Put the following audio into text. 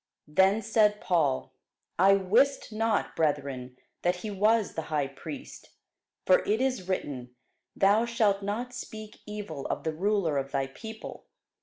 Then said Paul, I wist not, brethren, that he was the high priest: for it is written, Thou shalt not speak evil of the ruler of thy people.